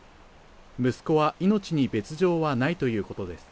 息子は命に別状はないということです。